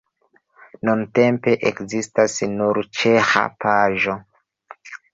Nuntempe ekzistas nur ĉeĥa paĝo.